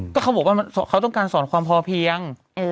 ก็เขาบอกว่าเขาต้องการสอนความพอเพียง